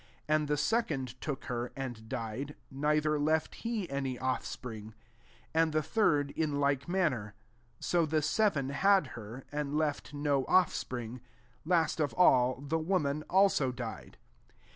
£1 And the second took her, and died, ndtiier left he any offspring: 22 and the third in like man ner: so the seven had her, and kft no offspring : last of all the iroman also died.